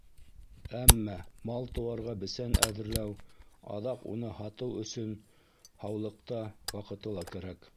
Әммә мал-тыуарға бесән әҙерләү, аҙаҡ уны һатыу өсөн һаулыҡ та, ваҡыты ла кәрәк.